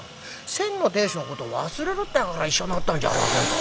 先の亭主のことを忘れるってえから一緒になったんじゃありませんか。